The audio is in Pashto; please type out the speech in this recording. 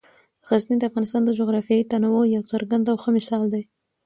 غزني د افغانستان د جغرافیوي تنوع یو څرګند او ښه مثال دی.